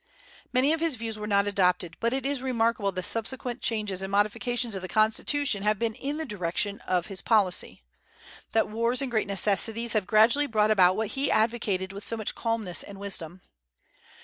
Many of his views were not adopted, but it is remarkable that the subsequent changes and modifications of the Constitution have been in the direction of his policy; that wars and great necessities have gradually brought about what he advocated with so much calmness and wisdom.